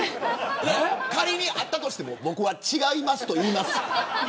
仮にあったとしても僕は違いますと言います。